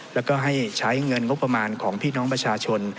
แล้วก็ให้ใช้เงินงบประมาณของพี่น้องประชาชน